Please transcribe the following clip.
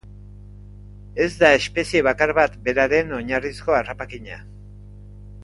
Ez da espezie bakar bat beraren oinarrizko harrapakina.